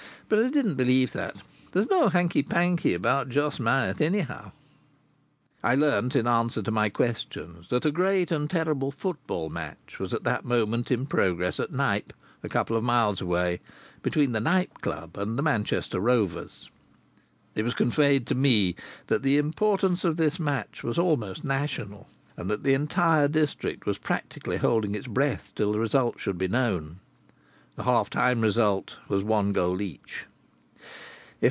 "But I didn't believe that. There's no hanky panky about Jos Myatt, anyhow." I learnt in answer to my questions that a great and terrible football match was at that moment in progress at Knype, a couple of miles away, between the Knype Club and the Manchester Rovers. It was conveyed to me that the importance of this match was almost national, and that the entire district was practically holding its breath till the result should be known. The half time result was one goal each.